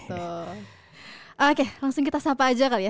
betul oke langsung kita sapa aja kali ya